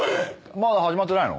まだ始まってないの？